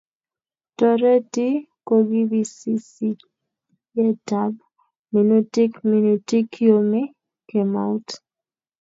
Toreti kobisisisietab minutik minutik yomi kemeut